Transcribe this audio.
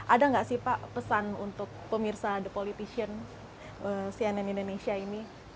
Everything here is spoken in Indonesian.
ada nggak sih pak pesan untuk pemirsa the politician cnn indonesia ini